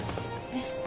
えっ。